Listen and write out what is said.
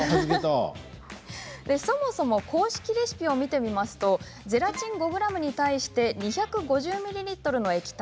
そもそも公式レシピを見てみるとゼラチン５ｇに対し２５０ミリリットルの液体